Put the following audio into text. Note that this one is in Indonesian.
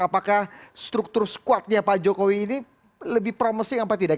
apakah struktur squadnya pak jokowi ini lebih promising apa tidak